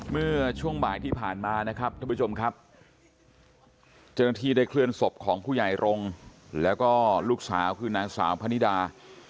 เมื่อช่วงบ่ายที่ผ่านมานะครับท่านผู้ชมครับเจ้าหน้าที่ได้เคลื่อนศพของผู้ใหญ่รงค์แล้วก็ลูกสาวคือนางสาวพนิดา